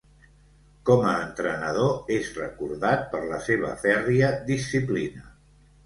Com a entrenador és recordat per la seva fèrria disciplina.